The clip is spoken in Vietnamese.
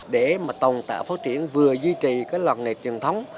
để tồn tại phát triển vừa duy trì các làng nghề truyền thống